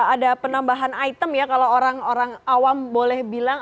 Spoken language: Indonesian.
ada penambahan item ya kalau orang orang awam boleh bilang